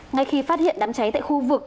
ngay khi phát hiện đám cháy tại khu vực